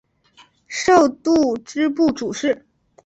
授度支部主事。